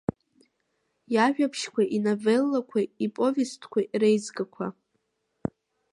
Иажәабжьқәеи, иновеллақәеи, иповестқәеи реизгақәа…